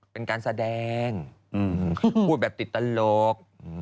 เป็นการแสดงพูดแบบติดตลก